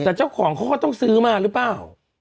แต่เจ้าของเขาก็ต้องซื้อมาหรือเปล่า